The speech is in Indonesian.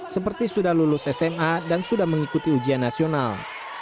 seperti sudah lulus sma dan sudah mengikuti ujian nasional